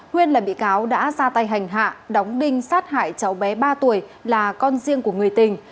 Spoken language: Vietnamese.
huyên là bị cáo đã ra tay hành hạ đóng đinh sát hại cháu bé ba tuổi là con riêng của người tình